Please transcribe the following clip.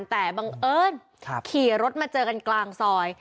แต่บังเอิญขี่รถมาเจอกันกลางซอย